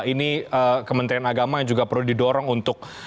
ini kementerian agama yang juga perlu didorong untuk